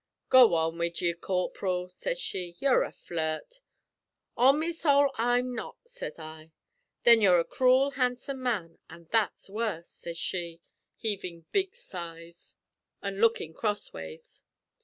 "'Go on wid ye, corp'ril,' sez she. 'You're a flirt.' "'On me sowl I'm not,' sez I. "'Then you're a cruel handsome man, an' that's worse,' sez she, heavin' big sighs an' lookin' crossways.